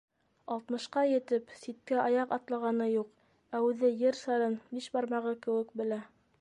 Алтмышҡа етеп, ситкә аяҡ атлағаны юҡ, ә үҙе ер шарын биш бармағы кеүек белә.